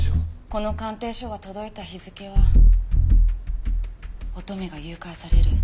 この鑑定書が届いた日付は乙女が誘拐される